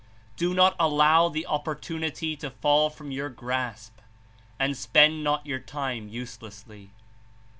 Do not allow the op portunity to fall from your grasp, and spend not your time uselessly.